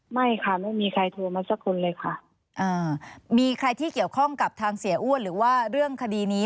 ไม่ค่ะไม่มีใครโทรมาสักคนเลยค่ะอ่ามีใครที่เกี่ยวข้องกับทางเสียอ้วนหรือว่าเรื่องคดีนี้